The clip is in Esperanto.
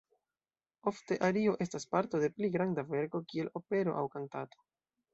Ofte ario estas parto de pli granda verko kiel opero aŭ kantato.